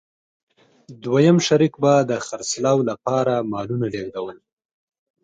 دویم شریک به د خرڅلاو لپاره مالونه لېږدول.